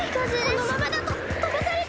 このままだととばされちゃう！